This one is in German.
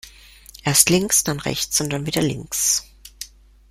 Erst links, dann rechts und dann wieder links.